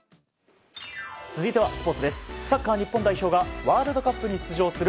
続いてはスポーツです。